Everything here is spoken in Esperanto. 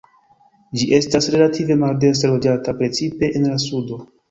Ĝi estas relative maldense loĝata, precipe en la sudo.